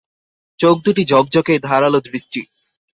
চোখদুটি ঝকঝকে, ধারালো দৃষ্টি।